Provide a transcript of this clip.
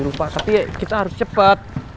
lupa tapi kita harus cepat